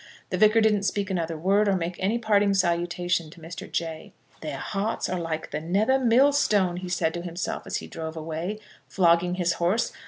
The Vicar didn't speak another word, or make any parting salutation to Mr. Jay. "Their hearts are like the nether millstone," he said to himself, as he drove away, flogging his horse.